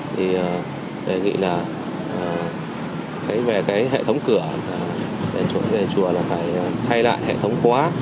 thì đề nghị là về cái hệ thống cửa đền chùa là phải thay lại hệ thống quá